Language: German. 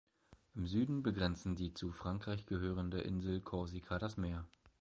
Im Süden begrenzen die zu Frankreich gehörende Insel Korsika das Meer.